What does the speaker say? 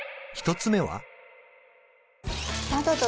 １つ目は？